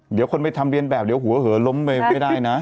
เดี๋ยวคนไปทำเรียนแบบเดี๋ยวหัวเหอล้มไปไม่ได้นะ